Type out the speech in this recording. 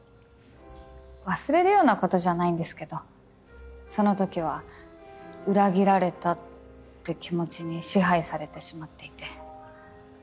忘れるようなことじゃないんですけどそのときは裏切られたって気持ちに支配されてしまっていて。